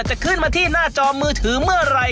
จะขึ้นมาที่หน้าจอมือถือเมื่อไหร่